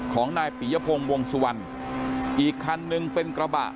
ของนายปียพงศ์วงสุวรรณอีกคันนึงเป็นกระบะ